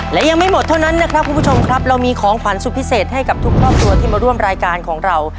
และยังไม่หมดเท่านั้นนะครับคุณผู้ชมครับเรามีของขวัญสุดพิเศษให้กับทุกครอบครัวที่มาร่วมรายการของเรา